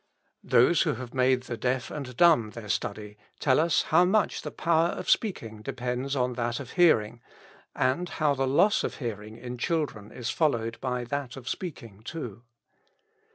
Those who have made the deaf and dumb their study, tell us how much the power of speaking de pends on that of hearing, and how the loss of hearing in children is followed by that of speaking too.